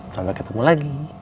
sampai ketemu lagi